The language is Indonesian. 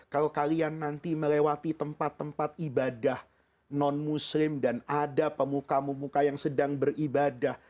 kalau kalian nanti melewati tempat tempat ibadah non muslim dan ada pemuka pemuka yang sedang beribadah